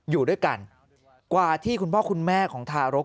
อยู่ด้วยกันกว่าที่คุณพ่อคุณแม่ของทารก